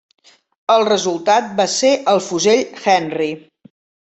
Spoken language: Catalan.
El resultat va ser el fusell Henry.